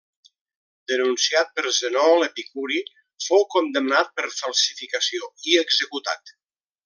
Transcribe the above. Denunciat per Zenó l'epicuri, fou condemnat per falsificació i executat.